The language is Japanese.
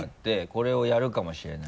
これをやるかもしれない。